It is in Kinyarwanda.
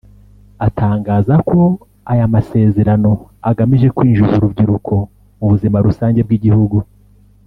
atangaza ko aya masezerano agamije kwinjiza urubyiruko mu buzima rusange bw’igihugu